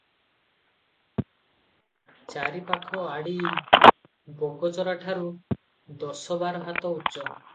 ଚାରିପାଖ ଆଡ଼ି ବଗଚରା-ଠାରୁ ଦଶବାରହାତ ଉଚ୍ଚ ।